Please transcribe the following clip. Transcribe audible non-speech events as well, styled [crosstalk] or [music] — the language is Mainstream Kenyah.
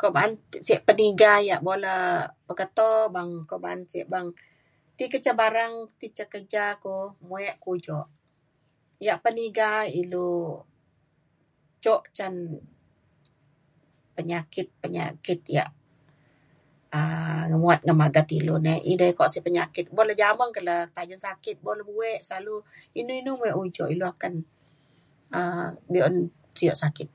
ko ba'an sio peniga ia' bo le peketo ban ko ban ce ban ti ka ca barang ti ca kerja ko muek ke ujo. ia' peniga ilu cuk can penyakit penyakit ia' um nguat ngan magat ilu nei [unintelligible] penyakit. bo le jabang ke le tajen sakit bo le buek slalu inu inu muek ujo ilu akan um be'un sio sakit.